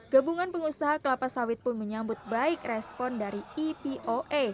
gabungan pengusaha kelapa sawit pun menyambut baik respon dari epoa